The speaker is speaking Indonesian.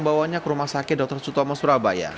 farhan langsung membawanya ke rumah sakit dr sutomo surabaya